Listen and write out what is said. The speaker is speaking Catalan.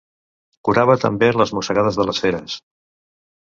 Curava també les mossegades de les feres.